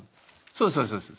そうそうそうそう。